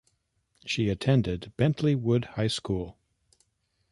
She attended Bentley Wood High School.